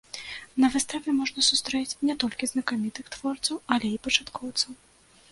На выставе можна сустрэць не толькі знакамітых творцаў, але і пачаткоўцаў.